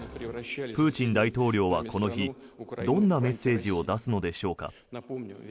プーチン大統領はこの日どんなメッセージを出すのでしょうか。